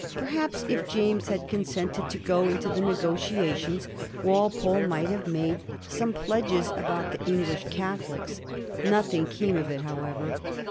Perhaps if James had consented to go into the negotiations Walpole might have made some pledges about the English Catholics. Nothing came of it, however.